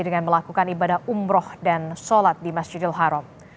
dengan melakukan ibadah umroh dan sholat di masjidil haram